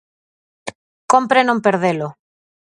Cómpre non perdelo.